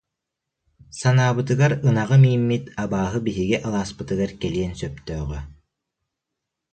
Санаабытыгар ынаҕы мииммит абааһы биһиги алааспытыгар кэлиэн сөптөөҕө